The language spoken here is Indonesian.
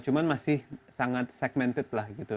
cuma masih sangat segmented lah gitu